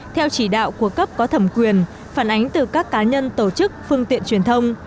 theo chỉ đạo của cấp có thẩm quyền phản ánh từ các cá nhân tổ chức phương tiện truyền thông